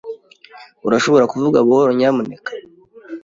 Urashobora kuvuga buhoro, nyamuneka?